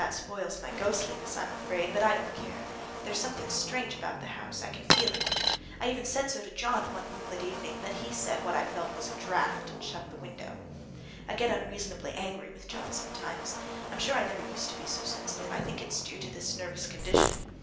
That spoils my ghostliness, I am afraid; but I don't care—there is something strange about the house—I can feel it. I even said so to John one moonlight evening, but he said what I felt was a draught, and shut the window. I get unreasonably angry with John sometimes. I'm sure I never used to be so sensitive. I think it is due to this nervous condition.